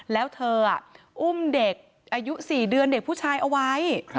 แล้วเธออุ้มเด็กอายุ๔เดือนเด็กผู้ชายเอาไว้